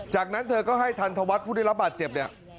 จากนั้นเธอก็ให้ทันทวัฒน์ผู้ได้รับบาดเจ็บเนี่ย